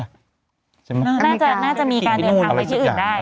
น่าจะมีการเดินทางไปที่อื่นได้